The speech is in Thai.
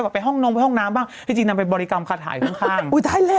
ก็น่าไปห้องนมรองบ้างที่ที่นั้นไปบริกรรมคาดถ่ายข้างอู๊ยตายแล้ว